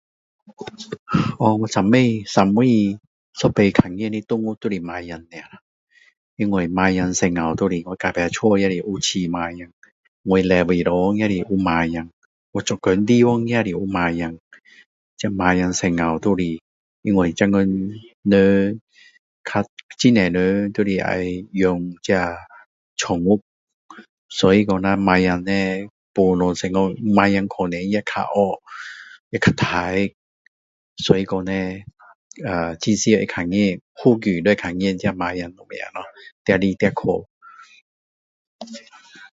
呃我最后最后看见的动物就是猫啊因为猫到处都是我隔壁家也是有养猫我礼拜堂也是有猫我做工地方也是有猫猫到处都是因为现今人很多人都是养宠物所以叻猫到处猫可能也比较乖也比较干净所以说呢呃很常会看见附近看见猫什么咯跑跑去